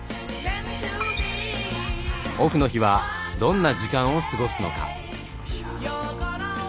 オフの日はどんな時間を過ごすのか？